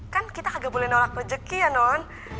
kan kita agak boleh nolak rejeki ya non